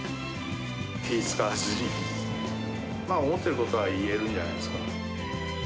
気遣わずに、思ってることは言えるんじゃないですか。